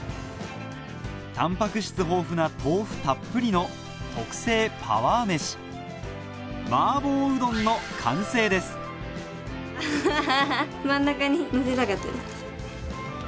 タンパク質豊富な豆腐たっぷりの特製パワー飯麻婆うどんの完成ですハハハ。